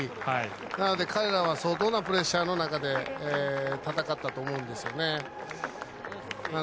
なので、彼らは相当なプレッシャーの中で戦ったと思うんですね。